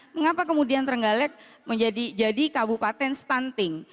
mengapa kemudian terenggalek menjadi kabupaten stunting